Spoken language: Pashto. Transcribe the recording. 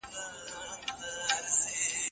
دا ماشوم ډېر ډنگر دی.